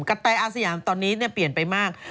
แตอาสยามตอนนี้เปลี่ยนไปมาก